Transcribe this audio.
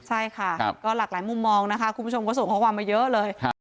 ใช่ค่ะก็หลากหลายมุมมองนะคะคุณผู้ชมก็ส่งข้อความมาเยอะเลย